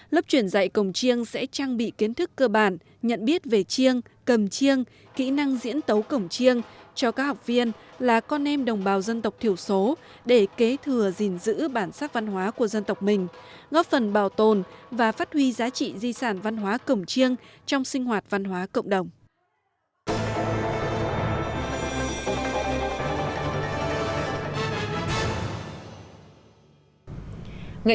lớp truyền dạy cồng chiêng sẽ trang bị kiến thức cơ bản nhận biết về chiêng cầm chiêng kỹ năng diễn tấu cồng chiêng cho các học viên là con em đồng bào dân tộc thiểu số để kế thừa gìn giữ bản sắc văn hóa của dân tộc mình góp phần bảo tồn và phát huy giá trị di sản văn hóa cồng chiêng trong sinh hoạt văn hóa cộng đồng